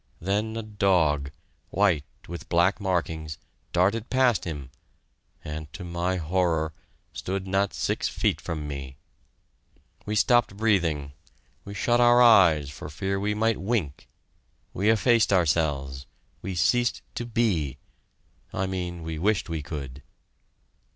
Then a dog, white with black markings, darted past him, and, to my horror, stood not six feet from me. We stopped breathing we shut our eyes for fear we might wink we effaced ourselves we ceased to be I mean we wished we could.